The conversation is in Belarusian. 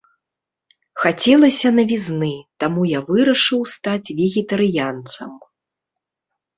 Хацелася навізны, таму я вырашыў стаць вегетарыянцам.